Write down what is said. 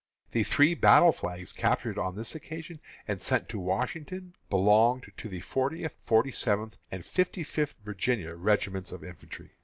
The three battle flags captured on this occasion, and sent to Washington, belonged to the Fortieth, Forty seventh, and Fifty fifth Virginia regiments of infantry.